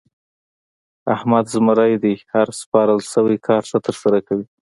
احمد زمری دی؛ هر سپارل شوی کار ښه ترسره کوي.